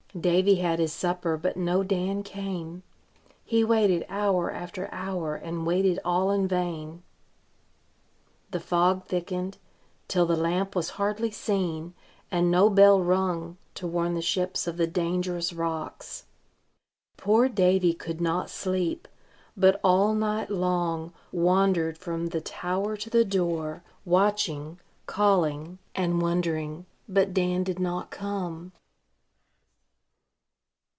Davy had his supper, but no Dan came. He waited hour after hour, and waited all in vain. The fog thickened, till the lamp was hardly seen; and no bell rung to warn the ships of the dangerous rocks. Poor Davy could not sleep, but all night long wandered from the tower to the door, watching, calling, and wondering; but Dan did not come.